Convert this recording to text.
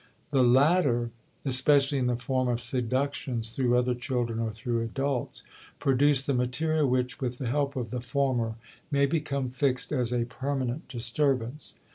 The latter (especially in the form of seductions through other children or through adults) produce the material which, with the help of the former, may become fixed as a permanent disturbance.